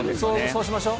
そうしましょう。